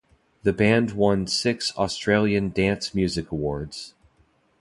The band won six Australian Dance Music Awards.